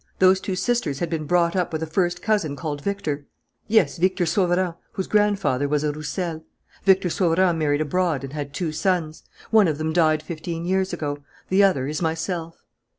Those two sisters had been brought up with a first cousin called Victor." "Yes, Victor Sauverand, whose grandfather was a Roussel. Victor Sauverand married abroad and had two sons. One of them died fifteen years ago; the other is myself."